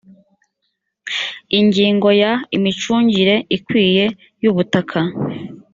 ingingo ya imicungire ikwiye y ubutaka